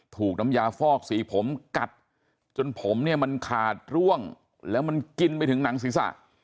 ถูกน้ำยาฟอกสีผมกัดจนผมเนี่ยมันขาดร่วงแล้วมันกินไปถึงหนังศีรษะ